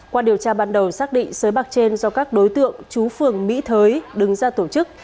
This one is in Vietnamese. qua điều tra ban đầu xác định sới bạc trên do các đối tượng chú phường mỹ thới đứng ra tổ chức